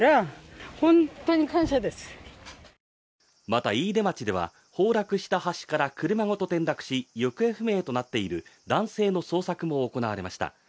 また、飯豊町では崩落した橋から車ごと転落し行方不明となっている男性の捜索も行われました。